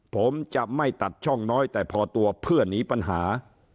ผมจะไม่ตัดช่องน้อยแต่พอตัวเพื่อหนีปัญหา